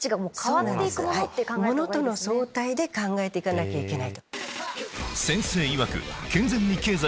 物との相対で考えてかなきゃいけない。